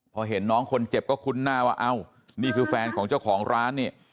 พอเห็นน้องคนเจ็บก็คุ้นหน้าว่าเอ้านี่คือแฟนของเจ้าของร้านนี่